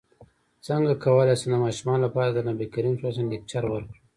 څنګه کولی شم د ماشومانو لپاره د نبي کریم ص لیکچر ورکړم